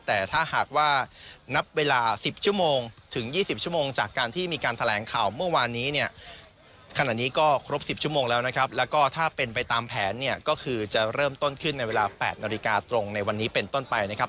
แต่ถ้าหากว่านับเวลา๑๐ชั่วโมงถึง๒๐ชั่วโมงจากการที่มีการแถลงข่าวเมื่อวานนี้เนี่ยขณะนี้ก็ครบ๑๐ชั่วโมงแล้วนะครับแล้วก็ถ้าเป็นไปตามแผนเนี่ยก็คือจะเริ่มต้นขึ้นในเวลา๘นาฬิกาตรงในวันนี้เป็นต้นไปนะครับ